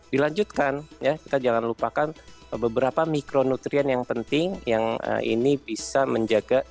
dilanjutkan ya kita jangan lupakan beberapa mikronutrien yang penting yang ini bisa menjaga